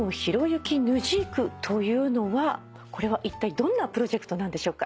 ［ｎＺｋ］というのはこれはいったいどんなプロジェクトなんでしょうか？